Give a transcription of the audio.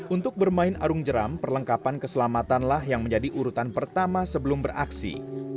untuk bermain arung jeram perlengkapan keselamatanlah yang menjadi urutan pertama sebelum beraksi